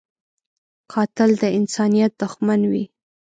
قاتل د انسانیت دښمن وي